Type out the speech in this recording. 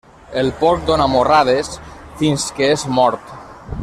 El porc dóna morrades fins que és mort.